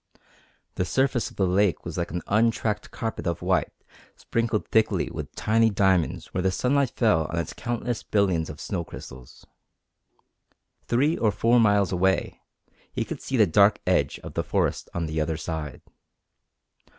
The surface of the lake was like an untracked carpet of white sprinkled thickly with tiny diamonds where the sunlight fell on its countless billions of snow crystals. Three or four miles away he could see the dark edge of the forest on the other side.